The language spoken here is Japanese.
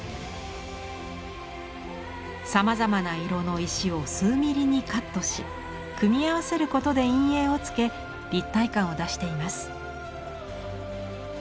さまざまな色の石を数ミリにカットし組み合わせることで陰影をつけ立体感を出しています。